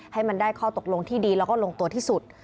ให้มันได้ข้อตกลงที่ดีแล้วก็ลงตัวที่สุด